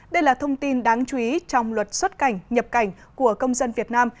đây là thông tin đáng chú ý trong luật xuất cảnh nhập cảnh của công dân việt nam